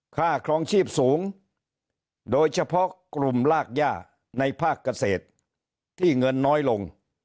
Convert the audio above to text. ครองชีพสูงโดยเฉพาะกลุ่มลากย่าในภาคเกษตรที่เงินน้อยลง